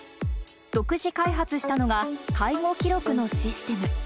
独自開発したのが、介護記録のシステム。